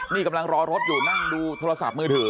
นี่กำลังรอรถอยู่นั่งดูโทรศัพท์มือถือ